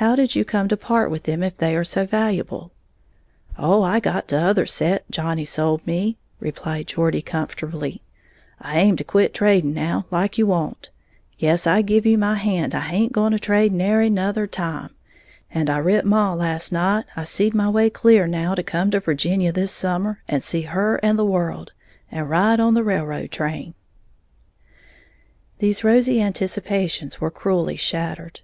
"How did you come to part with them if they are so valuable?" "Oh, I got t'other set Johnny sold me," replied Geordie, comfortably, "I aim to quit trading now, like you want, yes, I give you my hand I haint going to trade nary nother time! And I writ maw last night I seed my way clear now to come to Virginia this summer, and see her and the world, and ride on the railroad train!" These rosy anticipations were cruelly shattered.